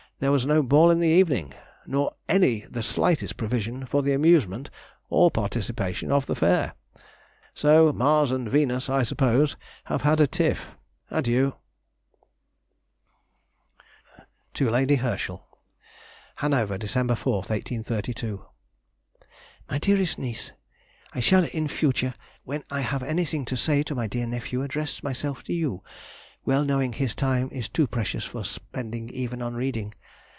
there was no ball in the evening, nor any the slightest provision for the amusement or participation of the fair. So Mars and Venus, I suppose, have had a "tiff!" Adieu. [Sidenote: 1832 1833. Her Life in Hanover.] TO LADY HERSCHEL. HANOVER, Dec. 4, 1832. MY DEAREST NIECE,— I shall in future, when I have anything to say to my dear nephew address myself to you, well knowing his time is too precious for spending even on reading....